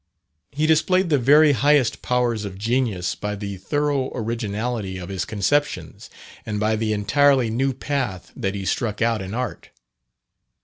He displayed the very highest powers of genius by the thorough originality of his conceptions, and by the entirely new path that he struck out in art.